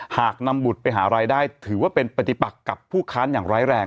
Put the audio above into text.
หากนำบุตรไปหารายได้ถือว่าเป็นปฏิปักกับผู้ค้านอย่างร้ายแรง